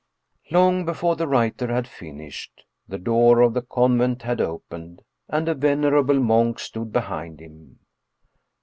Long before the writer had finished, the door of the con vent had opened and a venerable monk stood behind him.